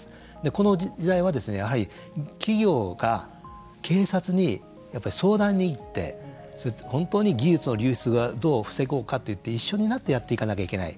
この時代は企業が警察に相談に行って本当に技術の流出をどう防ごうかと一緒になってやっていかなきゃいけない